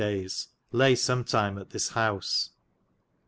dayes lay sometyme at this howse.